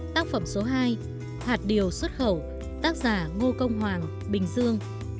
tác phẩm số hai hạt điều xuất khẩu tác giả ngô công hoàng bình dương